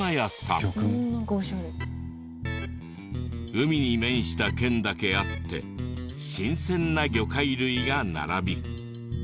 海に面した県だけあって新鮮な魚介類が並び。